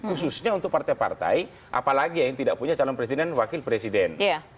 khususnya untuk partai partai apalagi yang tidak punya calon presiden dan wakil presiden